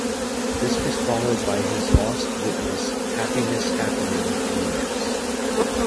This was followed by his Lost Witness "Happiness Happening" remix.